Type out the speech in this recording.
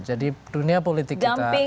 jadi dunia politik kita